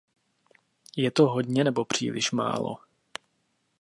Je to hodně nebo příliš málo?